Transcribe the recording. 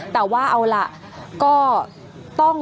แต่ว่าเอาล่ะก็ต้อง